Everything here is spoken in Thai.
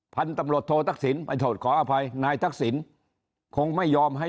พันธุ์ตำรวจโททักษิณไปโทษขออภัยนายทักษิณคงไม่ยอมให้